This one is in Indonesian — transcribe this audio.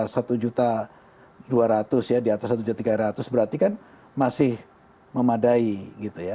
satu juta dua ratus ya di atas rp satu tiga ratus berarti kan masih memadai gitu ya